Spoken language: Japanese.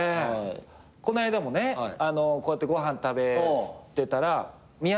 この間もねこうやってご飯食べてたら宮舘君来て。